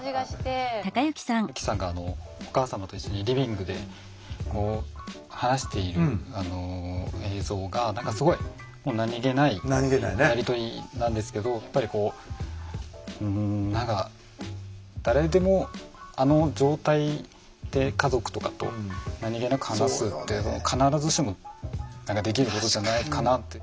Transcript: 由希さんがお母様と一緒にリビングで話している映像が何かすごいもう何気ないやり取りなんですけどやっぱりこううん何か誰でもあの状態で家族とかと何気なく話すって必ずしもできることじゃないかなって。